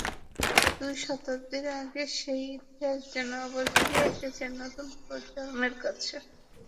দুই শতাব্দী আগের সেই ইতিহাস যেন আবার ফিরে এসেছে নতুন প্রজন্মের কাছে।